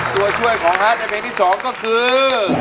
ตัวช่วยของฮาร์ดในเพลงที่๒ก็คือ